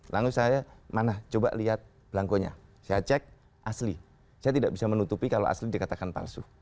lalu saya mana coba lihat belangkonya saya cek asli saya tidak bisa menutupi kalau asli dikatakan palsu